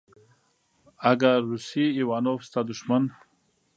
اگه روسی ايوانوف ستا دښمن.